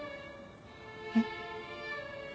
えっ？